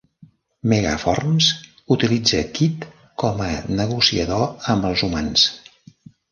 Megaforms utilitzen Kid com a negociador amb els humans.